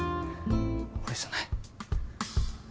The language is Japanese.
俺じゃない。